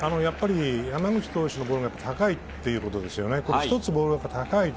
山口投手のボールが高いっていうことですよね。